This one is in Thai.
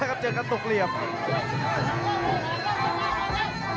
อื้อหือจังหวะขวางแล้วพยายามจะเล่นงานด้วยซอกแต่วงใน